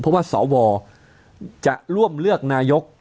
เพราะว่าสวจะร่วมเลือกนายก